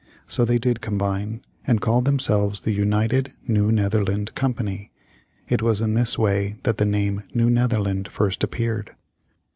So they did combine, and called themselves the United New Netherland Company. It was in this way that the name New Netherland first appeared.